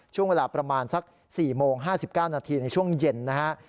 ช่วงเวลาประมาณสัก๔โมง๕๙นาทีในช่วงเย็นนะฮะ